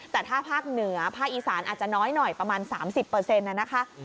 แต่ถ้าภาคเหนือภาคอีสานอาจจะน้อยหน่อยประมาณสามสิบเปอร์เซ็นต์น่ะนะคะ